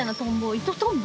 イトトンボ？